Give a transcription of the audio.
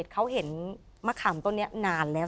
เขาเห็นมะขามต้นนี้นานแล้ว